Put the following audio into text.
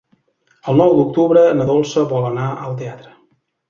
El nou d'octubre na Dolça vol anar al teatre.